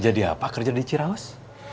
jadi apa kerja di ciraus